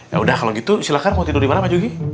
yaudah kalau gitu silahkan mau tidur dimana pak juki